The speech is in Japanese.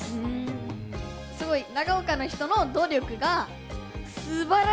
すごい長岡の人の努力がすばらしいと思います。